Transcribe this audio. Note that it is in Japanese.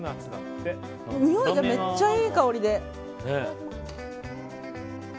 においがめっちゃいい香りで。